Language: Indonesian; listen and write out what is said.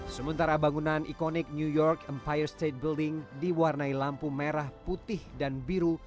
sementara bangunan ikonik new york empire state building diwarnai lampu merah putih dan biru